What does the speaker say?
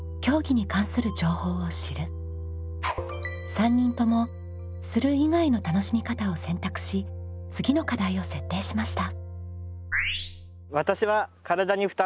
３人とも「する」以外の楽しみ方を選択し次の課題を設定しました。